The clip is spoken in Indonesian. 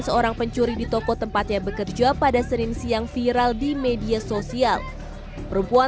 seorang pencuri di toko tempatnya bekerja pada senin siang viral di media sosial perempuan